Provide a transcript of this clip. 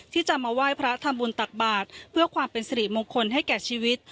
ที่จะมาไหว้พระทำบุญตักบาทเพื่อความเป็นสิริมงคลให้แก่ชีวิต